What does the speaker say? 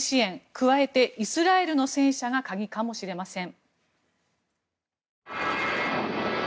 加えてイスラエルの戦車が鍵かもしれません。